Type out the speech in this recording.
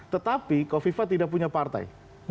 tetapi kofifa tidak punya partai